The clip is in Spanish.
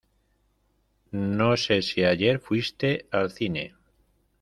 No sé si ayer fuiste al cine.